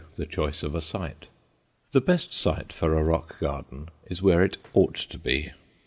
THE CHOICE OF A SITE The best site for a rock garden is where it ought to be.